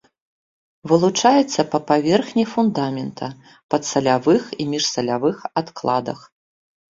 Вылучаецца па паверхні фундамента, падсалявых і міжсалявых адкладах.